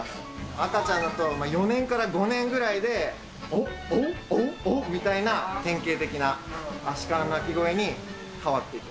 赤ちゃんだと４年から５年ぐらいでおうおう、おうおうみたいな、典型的なアシカの鳴き声に変わっていく。